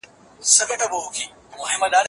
زه د خپلو ملګرو سره په چکر روان یم.